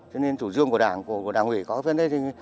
cho nên chủ dương của đảng của đảng ủy có phần đấy